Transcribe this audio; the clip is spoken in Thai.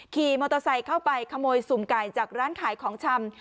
ขี่มอเตอร์ไซค์เข้าไปขโมยสุ่มไก่จากร้านขายของชำ